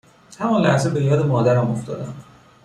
همان لحظه به یاد مادرم افتادم